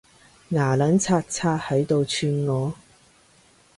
牙撚擦擦喺度串我